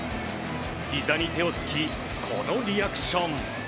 ひざに手をつきこのリアクション。